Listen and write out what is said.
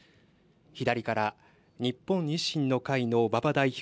左から、日本維新の会の馬場代表。